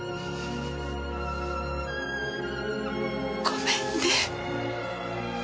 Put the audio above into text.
ごめんね。